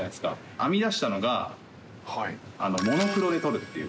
編み出したのが、モノクロで撮るっていう。